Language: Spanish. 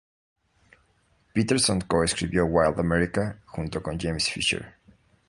Peterson coescribió "Wild America" junto con James Fisher.